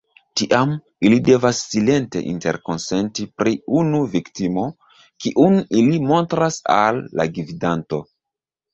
Tiam, ili devas silente interkonsenti pri unu viktimo, kiun ili montras al la gvidanto.